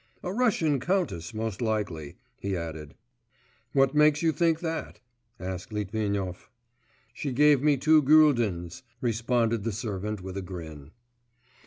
'A Russian countess most likely,' he added. 'What makes you think that?' asked Litvinov. 'She gave me two guldens,' responded the servant with a grin.